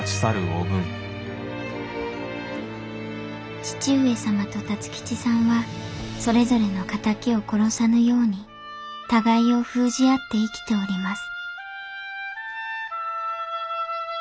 義父上様と辰吉さんはそれぞれの敵を殺さぬように互いを封じ合って生きております